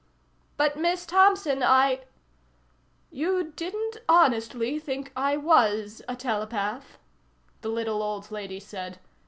"But Miss Thompson, I " "You didn't honestly think I was a telepath," the little old lady said.